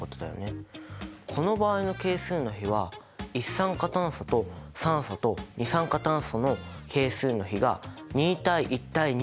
この場合の係数の比は一酸化炭素と酸素と二酸化炭素の係数の比が２対１対２ということだよね。